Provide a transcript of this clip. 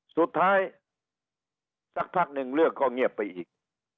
สุดท้ายสักพักหนึ่งเรื่องก็เงียบไปอีก